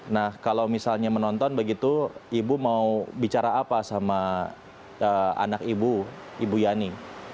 nah kalau misalnya menonton begitu ibu mau bicara apa sama anak ibu ibu yani